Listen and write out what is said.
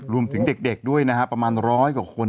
รวมถึงเด็กด้วยนะครับประมาณ๑๐๐กว่าคน